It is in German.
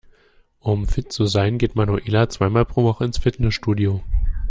Um fit zu sein, geht Manuela zweimal pro Woche ins Fitnessstudio.